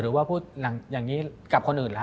หรือว่าพูดอย่างนี้กับคนอื่นล่ะ